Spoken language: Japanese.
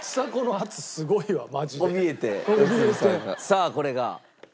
さあこれが。